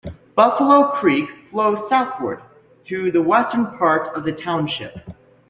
Buffalo Creek flows southward through the western part of the township.